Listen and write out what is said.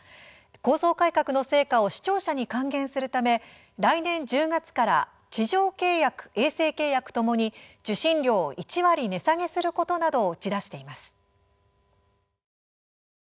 構造改革の成果を視聴者に還元するため来年１０月から地上契約、衛星契約ともに受信料を１割、値下げすることなどを打ち出しています。